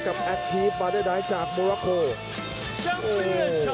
กับแอคทีฟบาร์เดอร์ไดจากโมรัคเคิล